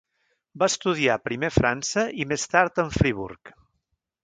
Va estudiar primer a França, i més tard en Friburg.